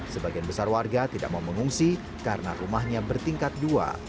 sebagian besar warga tidak mau mengungsi karena rumahnya bertingkat dua